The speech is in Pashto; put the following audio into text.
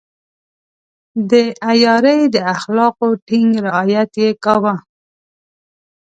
د عیارۍ د اخلاقو ټینګ رعایت يې کاوه.